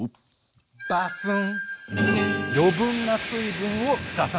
バスン！